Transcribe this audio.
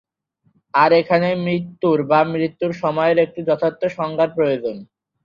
আর এখানেই মৃত্যুর বা মৃত্যুর সময়ের একটি যথার্থ সংজ্ঞার প্রয়োজন।